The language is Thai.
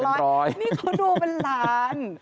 เป็นหลักร้อยนี่เขาดูเป็นล้าน